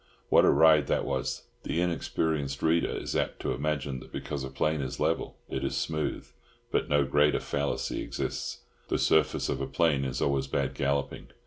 What a ride that was! The inexperienced reader is apt to imagine that because a plain is level, it is smooth, but no greater fallacy exists. The surface of a plain is always bad galloping.